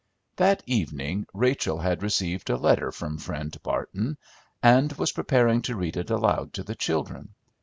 That evening Rachel had received a letter from Friend Barton and was preparing to read it aloud to the children.